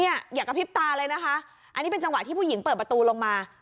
อย่ากระพริบตาเลยนะคะอันนี้เป็นจังหวะที่ผู้หญิงเปิดประตูลงมา